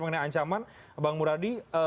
tentang ancaman bang muradi